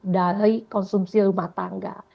dari konsumsi rumah tangga